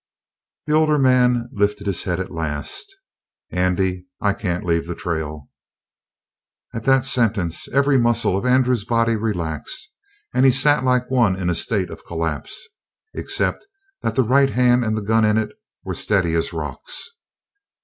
The older man lifted his head at last. "Andy, I can't leave the trail." At that sentence every muscle of Andrew's body relaxed, and he sat like one in a state of collapse, except that the right hand and the gun in it were steady as rocks.